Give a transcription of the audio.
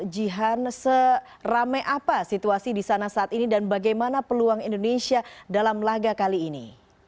jihan seramai apa situasi di sana saat ini dan bagaimana peluang indonesia dalam laga kali ini